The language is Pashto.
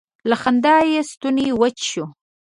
له خندا یې ستونی وچ شو.